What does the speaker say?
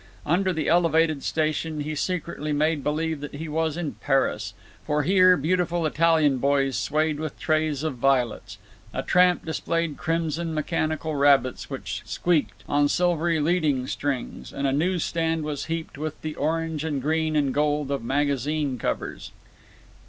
Under the elevated station he secretly made believe that he was in Paris, for here beautiful Italian boys swayed with trays of violets; a tramp displayed crimson mechanical rabbits, which squeaked, on silvery leading strings; and a newsstand was heaped with the orange and green and gold of magazine covers.